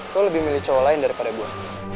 gue lebih milih cowok lain daripada gue